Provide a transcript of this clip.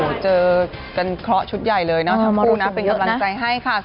เจอกันเคราะห์ชุดใหญ่เลยเนาะทั้งคู่นะเป็นกำลังใจให้ค่ะ